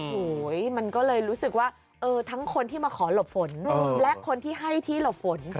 โอ้โหมันก็เลยรู้สึกว่าเออทั้งคนที่มาขอหลบฝนและคนที่ให้ที่หลบฝน